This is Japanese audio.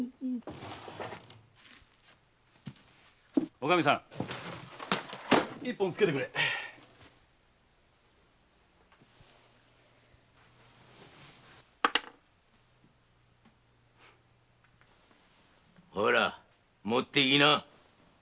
おカミさん一本つけてくれホラ持ってきな。